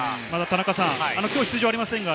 きょう出場はありませんが、